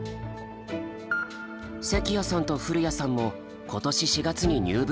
関谷さんと古谷さんも今年４月に入部したばかり。